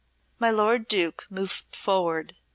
My lord Duke moved forward.